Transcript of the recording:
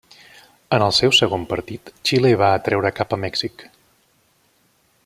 En el seu segon partit, Xile va atreure cap a Mèxic.